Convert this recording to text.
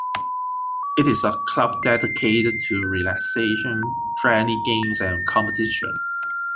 It is a Club dedicated to relaxation, friendly games and competition.